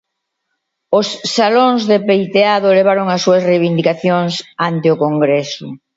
Os salóns de peiteado levaron as súas reivindicacións ante o Congreso.